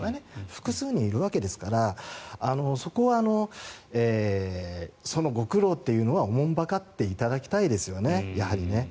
複数人いるわけですからそこはその苦労というのは慮っていただきたいですよね。